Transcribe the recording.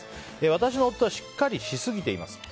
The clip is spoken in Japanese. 私の夫はしっかりしすぎています。